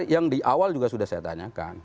yang di awal juga sudah saya tanyakan